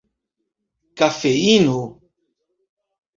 kafeino